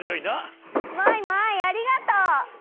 マイマイありがとう！